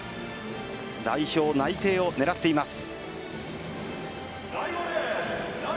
代表内定を狙っています。